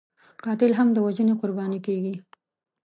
قاتل هم د وژنې قرباني کېږي